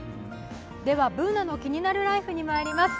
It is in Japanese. では「ＢｏｏｎａのキニナルＬＩＦＥ」にまいります